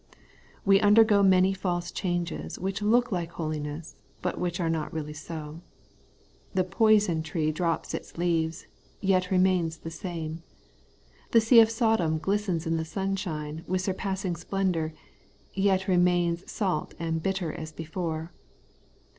We undergo many false changes, which look like holiness, but which are not really so. The poison tree drops its leaves, yet remains the same. The sea of Sodom glistens in the sunshine with sur passing splendour, yet remains salt and bitter as before.